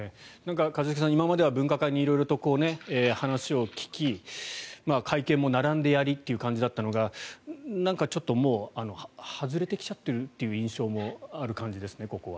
一茂さん、今までは分科会に色々と話を聞き会見も並んでやりという感じだったのがなんかちょっともう外れてきちゃっているっていう印象もここはある感じですね。